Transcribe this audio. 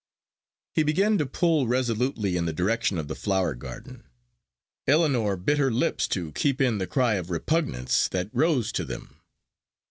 He began to pull resolutely in the direction of the flower garden. Ellinor bit her lips to keep in the cry of repugnance that rose to them.